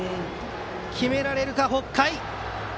決められるか、北海。